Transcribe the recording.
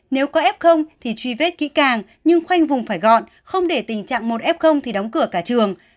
nếu có f thì truy vết kỹ càng nhưng khoanh vùng phải gọn không để tình trạng một f thì đóng cửa cả trường